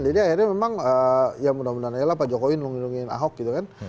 jadi akhirnya memang ya mudah mudahan ya pak jokowi nungguin ahok gitu kan